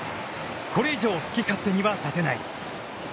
これ以上、好き勝手にはさせない。